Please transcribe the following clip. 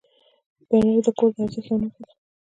پنېر د کور د ارزښت یو نښه ده.